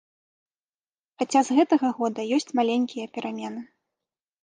Хаця з гэтага года ёсць маленькія перамены.